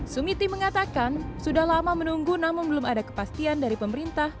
sumiti mengatakan sudah lama menunggu namun belum ada kepastian dari pemerintah